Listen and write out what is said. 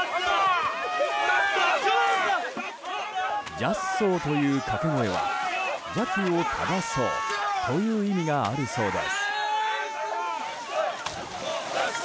ジャッソーという掛け声は邪気を正そうという意味があるそうです。